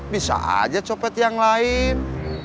bisa aja copet yang lain